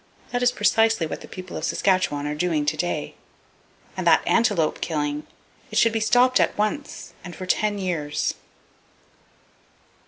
That is precisely what the people of Saskatchewan are doing to day. And that antelope killing! It should be stopped at once, and for ten years.